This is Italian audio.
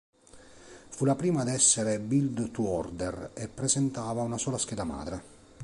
Fu la prima ad essere Built-to-Order e presentava una sola scheda madre.